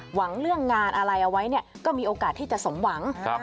หวังเรื่องงานอะไรเอาไว้เนี่ยก็มีโอกาสที่จะสมหวัง